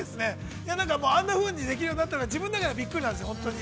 ◆あんなふうにできるようになったのは、自分の中ではびっくりなんですよ。